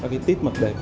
có cái tít mặt đẹp